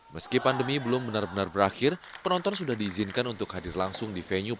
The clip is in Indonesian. meski pandemi belum benar benar berakhir penonton sudah diizinkan untuk hadir langsung di venue